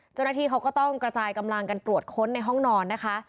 เจ้าหน้าที่เขาก็ต้องกระจายกำลังกันตรวจค้นในห้องนอนนะคะ